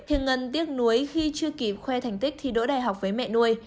thiên ngân tiếc nuôi khi chưa kịp khoe thành tích thi đỗ đại học với mẹ nuôi